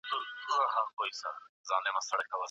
د دغي ودانۍ په دروازه کي د مننې یو لوحه ولیکل سوه.